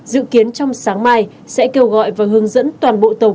dự kiến trong sáng mai sẽ kêu gọi và hướng dẫn toàn bộ tàu